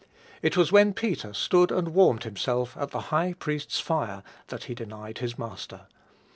It was when Peter stood and warmed himself at the high priest's fire that he denied his Master.